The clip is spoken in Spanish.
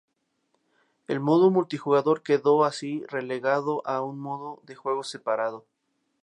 El modo multijugador quedó así relegado a un modo de juego separado.